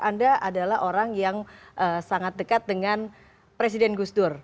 anda adalah orang yang sangat dekat dengan presiden gus dur